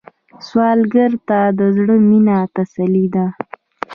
سوالګر ته د زړه مينه تسلي ده